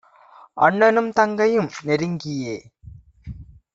அண்ண னும்தங் கையும் நெருங்கியே